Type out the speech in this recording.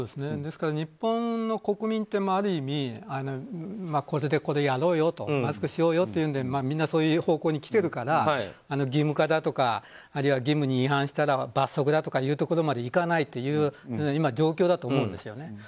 ですから、日本の国民ってある意味マスクしようよっていうのでみんな、そういう方向にきてるから義務化だとかあるいは義務に違反したら罰則だとかというところまでいかないという状況だと思うんですよね。